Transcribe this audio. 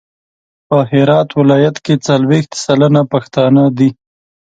په هرات ولایت کې څلویښت سلنه پښتانه دي.